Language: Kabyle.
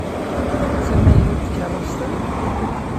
D tamaynut tkeṛṛust-a?